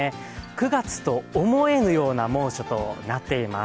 ９月と思えぬような猛暑となっています。